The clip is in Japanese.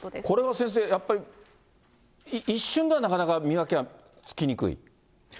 これは先生、やっぱり一瞬ではなかなか見分けはつきにくい？